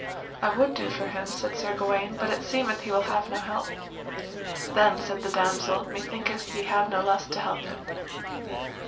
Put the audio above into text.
I would do for him, said Sir Gawaine, but it seemeth he will have no help. Then, said the damosel, methinketh ye have no lust to help him.